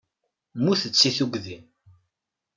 Mmutent seg tuggdi.